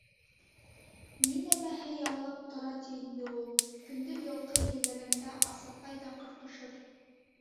— Ни нәмәһе яллап тора ти инде ул, көндөҙ йылҡы елләгәндә Асатай ҙа ҡырҡышыр.